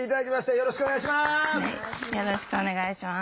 よろしくお願いします。